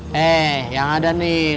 hei yang ada nih